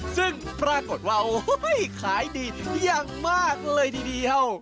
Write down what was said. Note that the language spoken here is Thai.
ซึ่งปรากฏว่าโอ้โหขายดีอย่างมากเลยทีเดียว